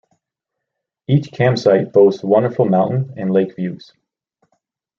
Each campsite boasts wonderful mountain and lake views.